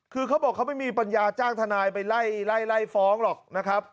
คือเขาบอกเขาไม่มีปัญญาจ้างทนายไปไล่ฟ้องหรอกนะครับ